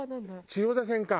千代田線か。